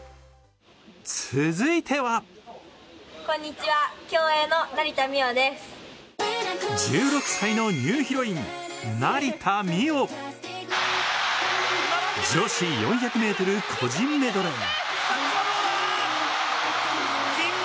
続いては１６歳のニューヒロイン成田実生女子４００ｍ個人メドレー。